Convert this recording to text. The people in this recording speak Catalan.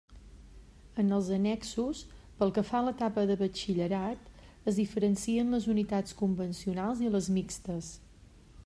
En els annexos, pel que fa a l'etapa de Batxillerat, es diferencien les unitats convencionals i les mixtes.